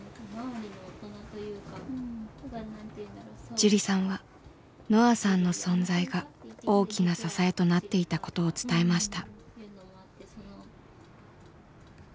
ジュリさんはのあさんの存在が大きな支えとなっていたことを伝えました。